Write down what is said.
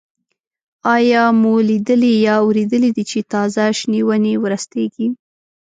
آیا مو لیدلي یا اورېدلي دي چې تازه شنې ونې ورستېږي؟